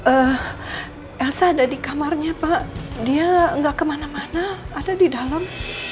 eh elsa ada di kamarnya pak dia nggak kemana mana ada di dalam